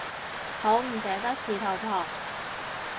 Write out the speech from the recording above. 好唔捨得事頭婆